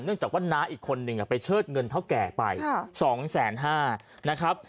เนื่องจากว่าน้าอีกคนหนึ่งไปเชิดเงินเท้าแก่ไป๒๕๐๐บาท